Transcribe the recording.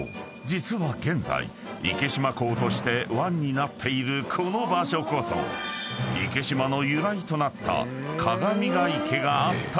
実は現在池島港として湾になっているこの場所こそ池島の由来となった鏡ヶ池があった場所］